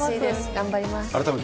頑張ります。